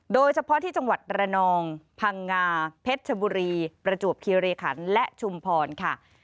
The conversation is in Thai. โดยเฉพาะที่จังหวัดระนองพังงาเพชรชบุรีประจวบคิริขันและชุมพรค่ะ